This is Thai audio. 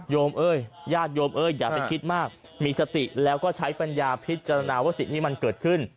เอ้ยญาติโยมเอ้ยอย่าไปคิดมากมีสติแล้วก็ใช้ปัญญาพิจารณาว่าสิ่งที่มันเกิดขึ้น